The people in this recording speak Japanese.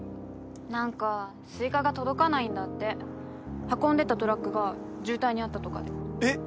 なんかスイカが届かないんだって運んでたトラックが渋滞にあったとかでえっ？